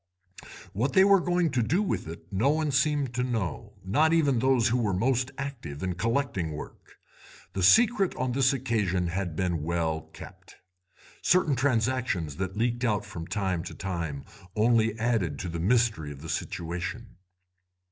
What they were going to do with it no one seemed to know, not even those who were most active in collecting work. The secret on this occasion had been well kept. Certain transactions that leaked out from time to time only added to the mystery of the situation.